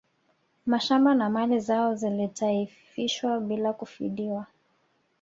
Mashamba na mali zao zilitaifishwa bila kufidiwa